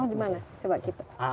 oh di mana coba kita